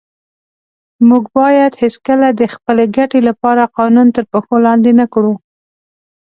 موږ باید هیڅ وخت د خپلې ګټې لپاره قانون تر پښو لاندې نه کړو.